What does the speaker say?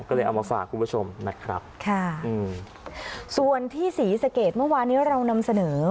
ก็เลยเอามาฝากคุณผู้ชมนะครับค่ะอืมส่วนที่ศรีสะเกดเมื่อวานนี้เรานำเสนอ